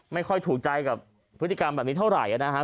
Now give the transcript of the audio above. ไม่ค่อยถูกใจกับพฤติกรรมแบบนี้เท่าไหร่นะครับ